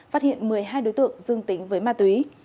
phát hiện một mươi hai đối tượng dương tính với ma túy